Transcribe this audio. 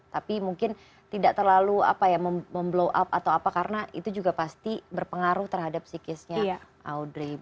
tapi mungkin tidak terlalu memblow up atau apa karena itu juga pasti berpengaruh terhadap psikisnya audrey